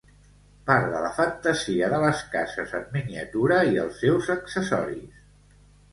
Part de la fantasia de les cases en miniatura i els seus accessoris